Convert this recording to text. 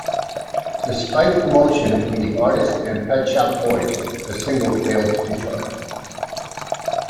Despite promotion from the artist and Pet Shop Boys, the single failed to chart.